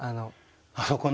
あそこね。